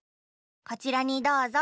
こちらにどうぞ。